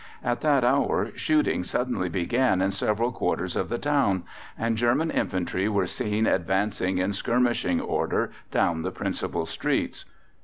At that hour shooting suddenly began in several quarters of the town, and German infantry were seen advancing in skirmishing order down the principal streets.